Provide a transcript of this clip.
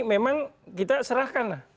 memang kita serahkan lah